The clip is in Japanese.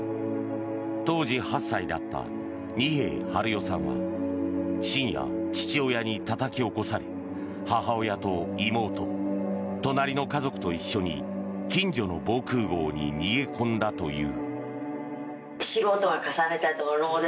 当時８歳だった二瓶治代さんは深夜、父親にたたき起こされ母親と妹、隣の家族と一緒に近所の防空壕に逃げ込んだという。